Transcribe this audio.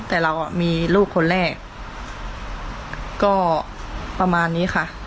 แต่เรามีลูกคนแรกก็ประมาณนี้ค่ะ